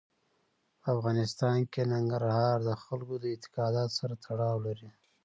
په افغانستان کې ننګرهار د خلکو د اعتقاداتو سره تړاو لري.